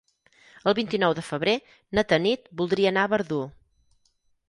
El vint-i-nou de febrer na Tanit voldria anar a Verdú.